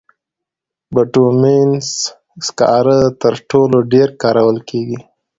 بټومینس سکاره تر ټولو ډېر کارول کېږي.